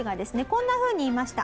こんなふうに言いました。